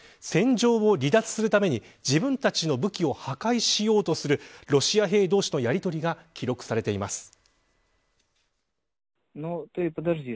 戦場を離脱するために自分たちの武器を破壊しようとするロシア兵同士のやりとりが記録されています。